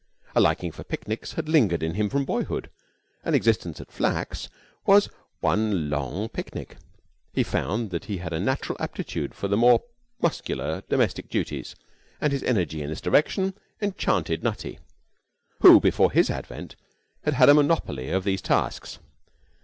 A liking for picnics had lingered in him from boyhood, and existence at Flack's was one prolonged picnic. He found that he had a natural aptitude for the more muscular domestic duties, and his energy in this direction enchanted Nutty, who before his advent had had a monopoly of these tasks.